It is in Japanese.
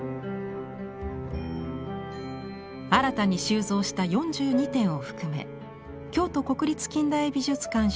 新たに収蔵した４２点を含め京都国立近代美術館